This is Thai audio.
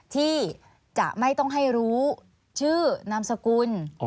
ที่จะไม่ต้องให้รู้ชื่อนามสกุล